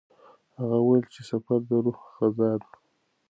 هغه وویل چې سفر د روح غذا ده.